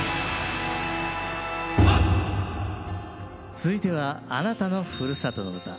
続いては「あなたのふるさとの唄」。